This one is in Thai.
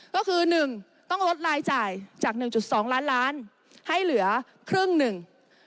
ก็คือ๑ต้องลดรายจ่ายจาก๑๒ล้านล้านให้เหลือครึ่งหนึ่ง